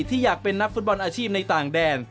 ที่อยากเป็นนักฟุตบอลอาชีพในต่างแดน